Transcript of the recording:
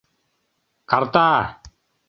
Карта!